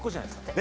え！